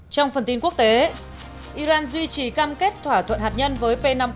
trong phần tin quốc tế iran duy trì cam kết thỏa thuận hạt nhân với p năm